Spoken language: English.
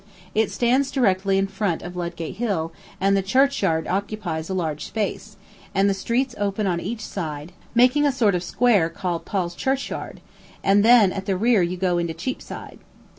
It stands directly in front of Ludgate Hill, and the churchyard occupies a large space, and the streets open on each side, making a sort of square called Paul's Churchyard, and then at the rear you go into Cheapside.